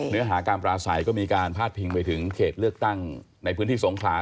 เนื้อหาการปราศัยก็มีการพาดพิงไปถึงเขตเลือกตั้งในพื้นที่สงขลา